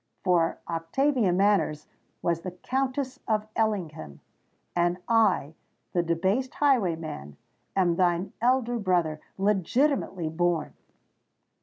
For Octavia Manners was the Countess of Ellingham—and I—the debased highwayman, am thine elder brother, legitimately born!"